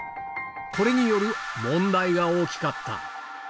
これによる問題が大きかった。